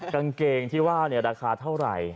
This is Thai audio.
กางเกงที่ว่าราคาเท่าไหร่